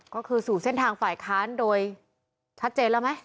ก็คือสู่เส้นทางฝ่ายค้านโดยชัดเจนแล้วไหม